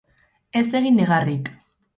Ez egin negarrik.